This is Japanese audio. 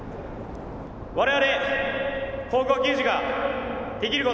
我々高校球児ができること。